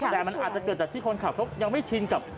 แต่มันอาจจะเกิดจากที่คนขับเขายังไม่ชินกับ